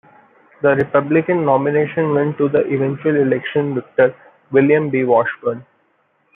The Republican nomination went to the eventual election victor, William B. Washburn.